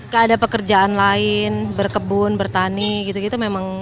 gak ada pekerjaan lain berkebun bertani gitu gitu memang